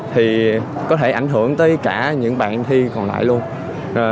thì có thể ảnh hưởng tới cả những bạn thi còn lại luôn